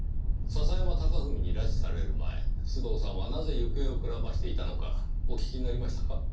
笹山隆文に拉致される前須藤さんはなぜ行方をくらましていたのかお聞きになりましたか？